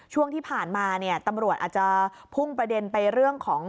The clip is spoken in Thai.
ช่วงที่ผ่านมาเนี่ยตำรวจอาจจะพุ่งประเด็นไปเรื่องของ